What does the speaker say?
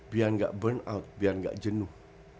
biar gak burn out biar gak jenuh